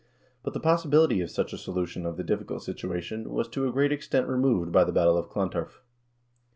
But the possibility of such a solution of the difficult situation was, to a great extent, removed by the battle of Clontarf.